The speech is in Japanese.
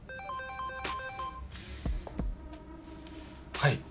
はい。